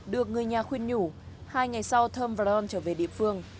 được người nhà khuyên nhủ hai ngày sau thơm và ron trở về địa phương